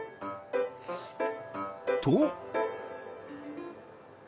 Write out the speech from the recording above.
［と］